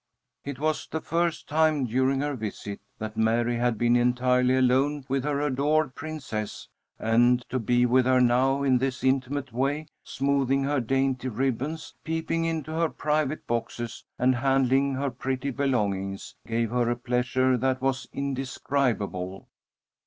It was the first time during her visit that Mary had been entirely alone with her adored Princess, and to be with her now in this intimate way, smoothing her dainty ribbons, peeping into her private boxes, and handling her pretty belongings, gave her a pleasure that was indescribable.